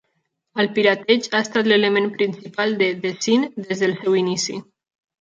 El pirateig ha estat l'element principal de The Scene des del seu inici.